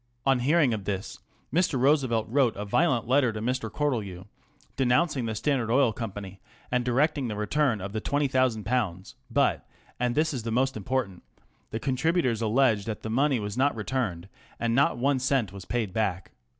On hearing of this Mr. Roosevelt wrote a violent letter to Mr. Cortelyou, denouncing the Standard Oil Company, and directing the return of the ^"20,000, but ŌĆö and this is most important ŌĆö the contributors allege that the money was not returned, and not one cent was paid back.